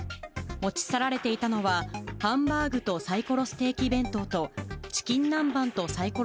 持ち去られていたのは、ハンバーグとサイコロステーキ弁当と、チキン南蛮とサイコロ